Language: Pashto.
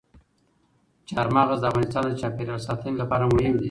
چار مغز د افغانستان د چاپیریال ساتنې لپاره مهم دي.